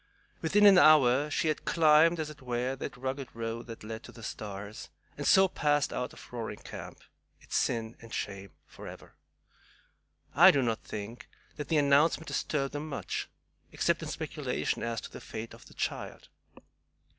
Within an hour she had climbed, as it were, that rugged road that led to the stars, and so passed out of Roaring Camp, its sin and shame, forever. I do not think that the announcement disturbed them much, except in speculation as to the fate of the child.